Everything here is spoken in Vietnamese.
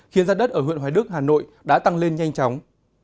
khiến giá đất ở huyện hoài đức hà nội đã tăng lên nhanh chóng